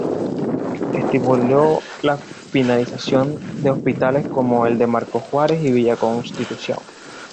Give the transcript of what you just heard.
Estimuló la finalización de hospitales como el de Marcos Juárez y Villa Constitución.